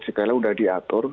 segala sudah diatur